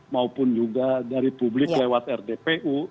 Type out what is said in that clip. maupun juga dari publik lewat rdpu